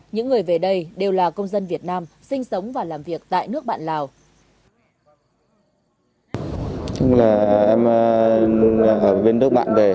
những người về đây đều là công dân việt nam sinh sống và làm việc tại nước bạn lào